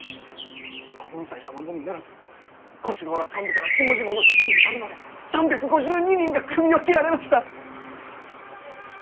耕雲斎様のみならず小四郎ら幹部から下々の志士に至るまで３５２人が首を斬られました。